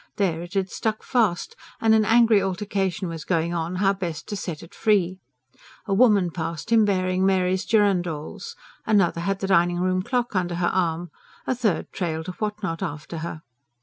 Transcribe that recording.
There it had stuck fast; and an angry altercation was going on, how best to set it free. A woman passed him bearing Mary's girandoles; another had the dining room clock under her arm; a third trailed a whatnot after her.